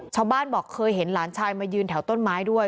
ชาวบ้านบอกเคยเห็นหลานชายมายืนแถวต้นไม้ด้วย